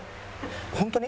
本当に？